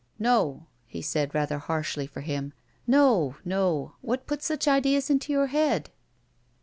"No," he said, rather harshly for him. "No. No. What put such ideas into your head?"